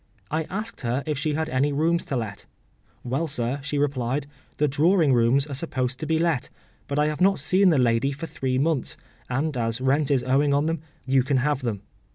I asked her if she had any rooms to let. “Well, sir,” she replied, “the drawing rooms are supposed to be let; but I have not seen the lady for three months, and as rent is owing on them, you can have them.